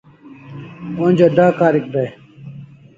Onja d'a karik dai